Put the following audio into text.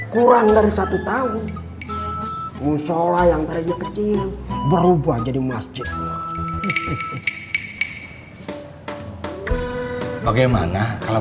kurang dari satu tahun musola yang tadinya kecil berubah jadi masjidnya bagaimana kalau